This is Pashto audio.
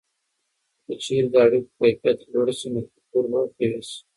که چیرې د اړیکو کیفیت لوړه سي، نو کلتور به قوي سي.